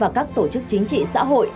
và các tổ chức chính trị xã hội